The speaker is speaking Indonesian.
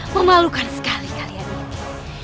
memalukan sekali kalian ini